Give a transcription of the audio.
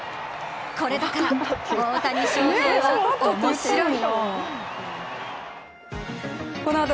これだから大谷翔平はおもしろい。